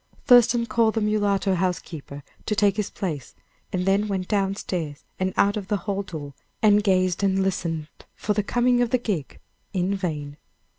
Thurston called the mulatto housekeeper to take his place, and then went down stairs and out of the hall door, and gazed and listened for the coming of the gig, in vain.